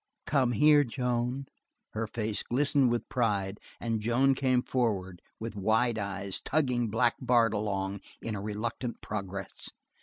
"Come here, Joan!" Her face glistened with pride, and Joan came forward with wide eyes, tugging Black Bart along in a reluctant progress.